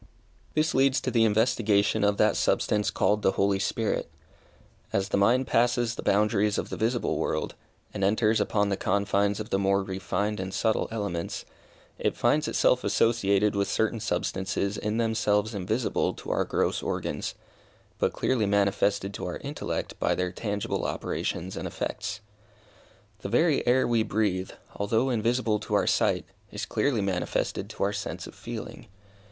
This leads to the investigation of that substance called the Holy Spirit. As the mind passes the boundaries of the visible world, and enters upon the confines of the more refined and subtle elements, it finds itself associated with certain substances in themselves invisible to our gross organs, but clearly manifested to our intellect by their tangible operations and effects. The very air we breathe, although invisible to our sight, is clearly manifested to our sense of feeling.